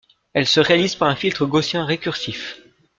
Elle se réalise par un filtre gaussien récursif.